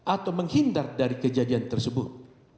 atau menghindar dari kejadian tersebut